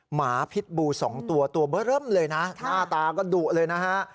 หมาพิษบู๒ตัวตัวเบอร์เริ่มเลยนะหน้าตาก็ดุเลยนะฮะ